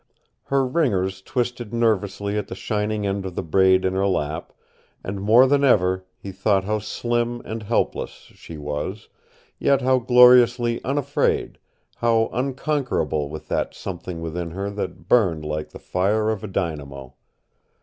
Her ringers twisted nervously at the shining end of the braid in her lap, and more than ever he thought how slim and helpless, she was, yet how gloriously unafraid, how unconquerable with that something within her that burned like the fire of a dynamo.